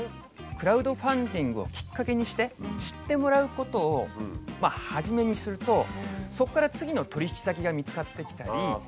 クラウドファンディングをきっかけにして知ってもらうことを初めにするとそこからなるほどね。